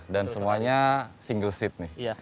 dan semuanya single seat nih